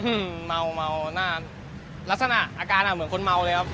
เหมือนคนเมาเมาหน้าลักษณะอาการเหมือนคนเมาเลยครับ